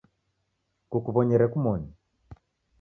Kukuw'onyere kumoni